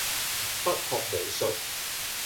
不學無術